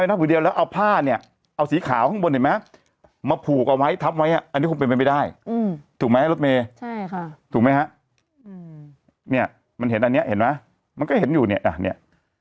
แล้วเอาผ้าเนี่ยเอาสีขาวข้างบนเห็นไหมมาผูกเอาไว้ทับไว้อ่ะอันนี้คงเป็นไปไม่ได้ถูกไหมรถเมล์ใช่ค่ะถูกไหมครับเนี่ยมันเห็นอันเนี้ยเห็นไหมมันก็เห็นอยู่เนี่ยอ่ะเนี่ย